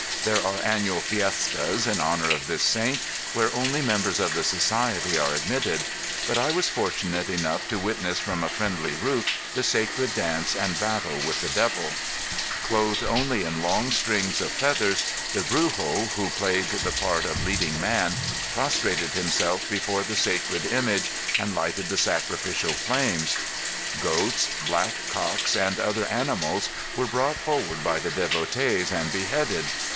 There are annual fiestas in honor of this Saint, where only members of the Society are admitted, but I was fortunate enough to witness from a friendly roof the sacred dance and battle with the devil. Clothed only in long strings of feathers, the Brujo who played the part of "leading man", prostrated himself before the sacred image and lighted the sacrificial flames. Goats, black cocks and other animals were brought forward by the devotees and beheaded.